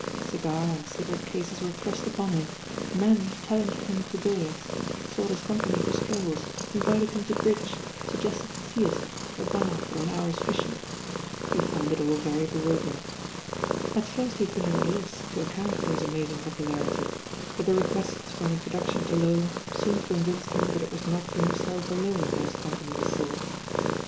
Cigar and cigarette<ases were thrust upon him, men challenged him to billiards, sought his company for stroUs, invited him to bridge, suggested the theatre, a bathe or an hour's fishing. He found it all very bewUder THE THIRTy NINB ARTICLES 169 ing. At first he had been at a loss to account for his amazing popularity; but the requests for an intro duction to Lola soon convinced him that it was not for himself alone that his company was sought.